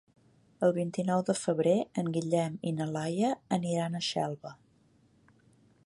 El vint-i-nou de febrer en Guillem i na Laia aniran a Xelva.